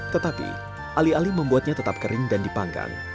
tetapi alih alih membuatnya tetap kering dan dipanggang